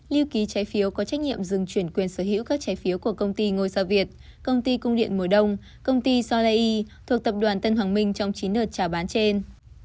lưu ký trái phiếu có trách nhiệm dừng chuyển quyền sở hữu các trái phiếu của công ty ngôi sao việt công ty cung điện mùa đông công ty solaye thuộc tập đoàn tân hoàng minh trong chín đợt trả bán trên